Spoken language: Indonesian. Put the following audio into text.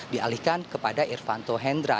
dialihkan kepada irfanto hendra